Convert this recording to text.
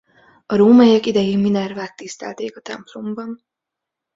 A rómaiak idején Minervát tisztelték a templomban.